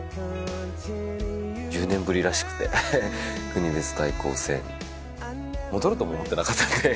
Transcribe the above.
１０年ぶりらしくて国別対抗戦。戻るとも思ってなかったので。